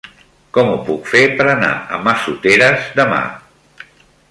Com ho puc fer per anar a Massoteres demà?